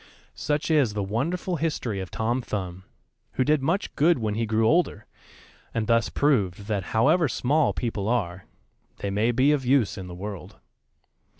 Such is the wonderful history of Tom Thumb, who did much good when he grew older, and thus proved that however small people are, they may be of use in the world.